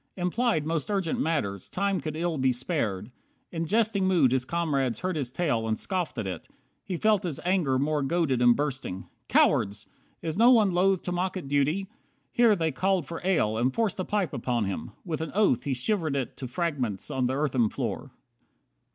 Implied Most urgent matters, time could ill be spared. In jesting mood his comrades heard his tale, And scoffed at it. He felt his anger more Goaded and bursting; "Cowards! Is no one loth To mock at duty " Here they called for ale, And forced a pipe upon him. With an oath He shivered it to fragments on the earthen floor.